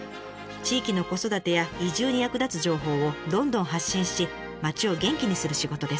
地域の子育てや移住に役立つ情報をどんどん発信し町を元気にする仕事です。